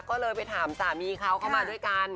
ก็เลยไปถามสามีเขาเข้ามาด้วยกัน